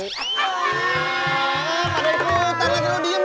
gak ada ikutan lagi